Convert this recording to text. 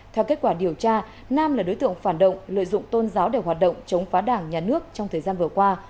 theo kết quả điều tra nam là đối tượng phản động lợi dụng tôn giáo để hoạt động chống phá đảng nhà nước trong thời gian vừa qua